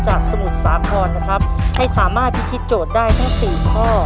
สมุทรสาครนะครับให้สามารถพิธีโจทย์ได้ทั้งสี่ข้อ